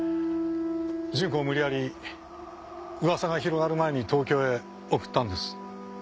純子を無理やり噂が広がる前に東京へ送ったんです。